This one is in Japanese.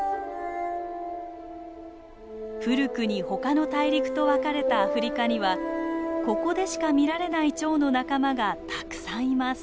古くに他の大陸と分かれたアフリカにはここでしか見られないチョウの仲間がたくさんいます。